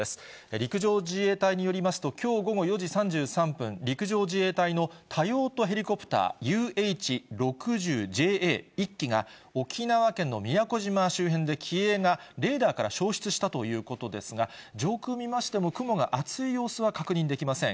陸上自衛隊によりますと、きょう午後４時３３分、陸上自衛隊の多用途ヘリコプター、ＵＨ６０ＪＡ１機が、沖縄県の宮古島周辺で機影がレーダーから消失したということですが、上空見ましても、雲が厚い様子は確認できません。